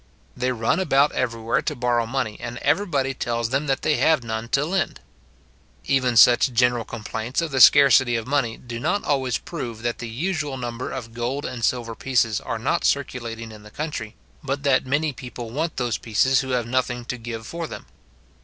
They run about everywhere to borrow money, and everybody tells them that they have none to lend. Even such general complaints of the scarcity of money do not always prove that the usual number of gold and silver pieces are not circulating in the country, but that many people want those pieces who have nothing to give for them.